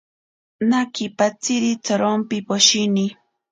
Nakipatziri tsorompi poshini.